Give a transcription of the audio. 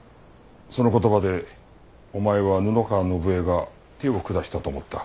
その言葉でお前は布川伸恵が手を下したと思った。